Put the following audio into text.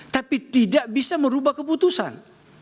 tapi tidak bisa merubah keputusan